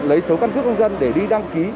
lấy số cân cướp công dân để đi đăng ký